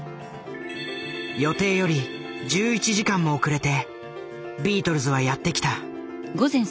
予定より１１時間も遅れてビートルズはやってきた。